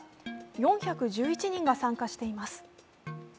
４１１人が参加しています。